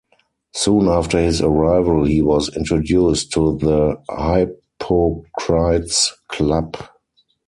Soon after his arrival he was introduced to the Hypocrites Club.